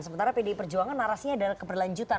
sementara pdi perjuangan narasinya adalah keberlanjutan